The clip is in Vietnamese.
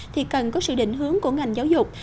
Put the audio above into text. thì cần có sự định hướng của ngành giáo dục